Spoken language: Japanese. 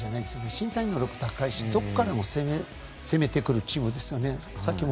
身体能力高いしどこからでも攻めてくるチームですよね。